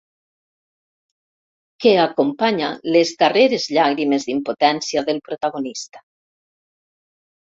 Que acompanya les darreres llàgrimes d'impotència del protagonista.